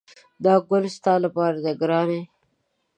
دا ګل ستا لپاره دی ګرانې!